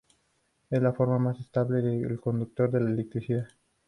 Es la forma más estable; es conductor de la electricidad.